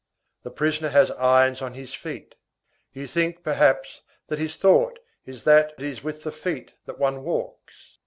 The prisoner has irons on his feet; you think, perhaps, that his thought is that it is with the feet that one walks?